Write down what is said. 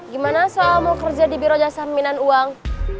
gimana soal mau kerja di biro jasa minan uang